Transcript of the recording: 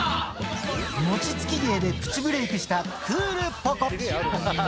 餅つき芸でプチブレークしたクールポコ。